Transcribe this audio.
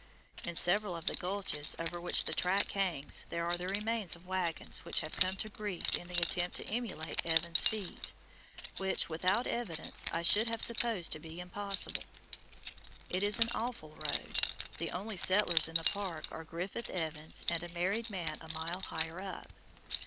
In several of the gulches over which the track hangs there are the remains of wagons which have come to grief in the attempt to emulate Evans's feat, which without evidence, I should have supposed to be impossible. It is an awful road. The only settlers in the park are Griffith Evans, and a married man a mile higher up.